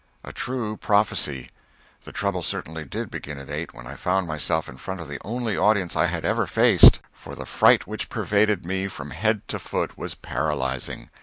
A true prophecy. The trouble certainly did begin at 8, when I found myself in front of the only audience I had ever faced, for the fright which pervaded me from head to foot was paralyzing.